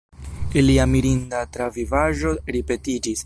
Ilia mirinda travivaĵo ripetiĝis.